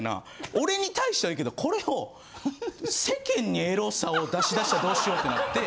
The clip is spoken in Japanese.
俺に対してはいいけどこれを世間にエロさを出しだしたらどうしようってなって。